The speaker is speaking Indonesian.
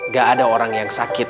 gak ada orang yang sakit